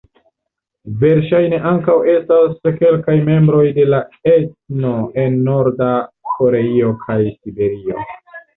Verŝajne ankaŭ estas kelkaj membroj de la etno en Norda Koreio kaj Siberio.